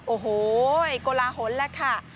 โอ้โหโกลาหลแล้วค่ะ